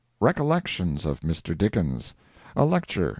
"Recollections of Mr. Dickens." A lecture.